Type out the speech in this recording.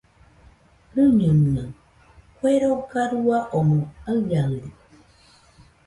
Rɨñonɨaɨ, kue roga rua omoɨ aiaɨri.